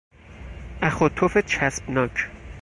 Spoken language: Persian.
اخ و تف چسبناک